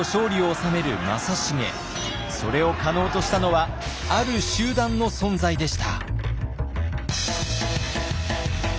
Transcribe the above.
それを可能としたのはある集団の存在でした。